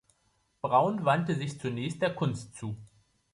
Braun wandte sich zunächst der Kunst zu.